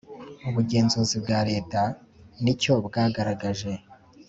ubugenzuzi bwa leta nicyo bwagaragaje